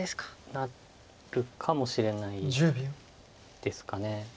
なるかもしれないですかね。